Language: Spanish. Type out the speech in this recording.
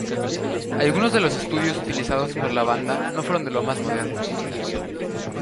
Algunos de los estudios utilizados por la banda no fueron de los más modernos.